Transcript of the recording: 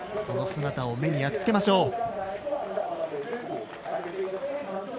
その姿を目に焼き付けましょう。